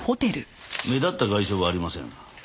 目立った外傷はありません。